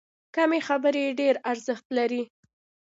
کمې خبرې، ډېر ارزښت لري.